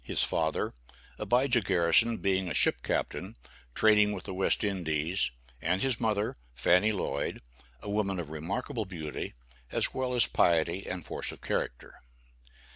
his father, Abijah Garrison, being a ship captain, trading with the West Indies, and his mother, Fanny Lloyd, a woman of remarkable beauty, as well as piety and force of character.